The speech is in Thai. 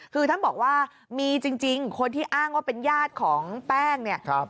คือท่านบอกว่ามีจริงคนที่อ้างว่าเป็นญาติของแป้งเนี่ย